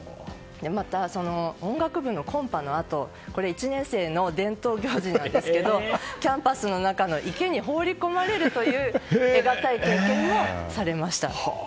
また音楽部のコンパのあと１年生の伝統行事なんですけどキャンパスの中の池に放り込まれるという得難い体験もされました。